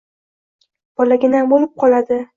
Bolaginam o‘lib qoladi!